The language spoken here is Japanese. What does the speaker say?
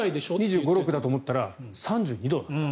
２５２６度だと思ったら３２度だった。